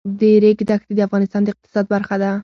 د ریګ دښتې د افغانستان د اقتصاد برخه ده.